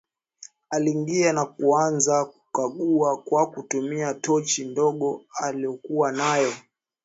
Aliingia na kuanza kukagua kwa kutumia tochi ndogo alokua nayo